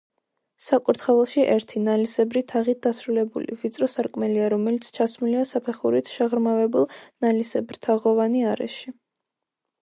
საკურთხეველში ერთი, ნალისებრი თაღით დასრულებული, ვიწრო სარკმელია, რომელიც ჩასმულია საფეხურით შეღრმავებულ, ნალისებრთაღოვანი არეში.